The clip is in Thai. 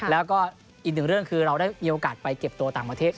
แล้วก็อีกหนึ่งเรื่องคือเราได้มีโอกาสไปเก็บตัวต่างประเทศ